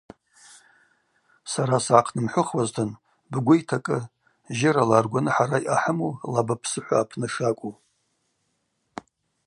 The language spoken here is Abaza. Сара сгӏахънымхӏвыхуазтын, бгвы йтакӏы, жьырала аргваны хӏара йъахӏыму Лаба псыхӏва апны шакӏву.